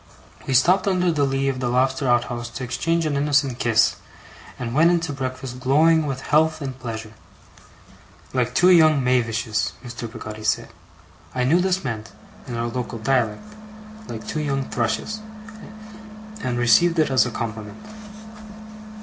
We stopped under the lee of the lobster outhouse to exchange an innocent kiss, and went in to breakfast glowing with health and pleasure. 'Like two young mavishes,' Mr. Peggotty said. I knew this meant, in our local dialect, like two young thrushes, and received it as a compliment.